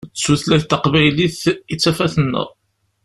D tutlayt taqbaylit i d tafat-nneɣ.